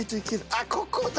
あっここだ！